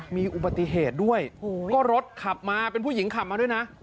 มีอุบัติเหตุด้วยก็รถขับมาเป็นผู้หญิงขับมาด้วยนะ